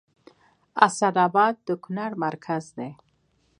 اسداباد د کونړ مرکز دی